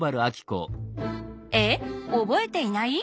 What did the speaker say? えっおぼえていない？